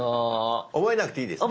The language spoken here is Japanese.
覚えなくていいですか？